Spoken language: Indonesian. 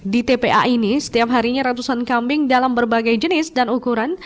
di tpa ini setiap harinya ratusan kambing dalam berbagai jenis dan ukuran